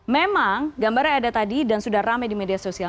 memang gambarnya ada tadi dan sudah rame di media sosial